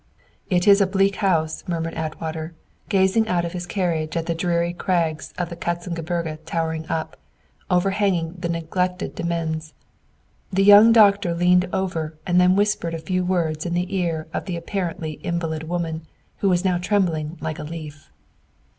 "It is a 'Bleak House,'" murmured Atwater, gazing out of his carriage at the dreary crags of the Katzen Gebirge towering up, overhanging the neglected demesne. The young doctor leaned over and then whispered a few words in the ear of the apparently invalid woman, who was now trembling like a leaf.